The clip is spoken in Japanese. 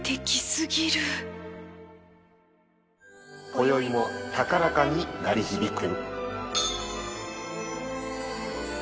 こよいも高らかに鳴り響く。